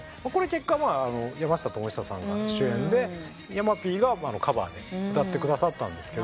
結果山下智久さんが主演で山Ｐがカバーで歌ってくださったんですけど。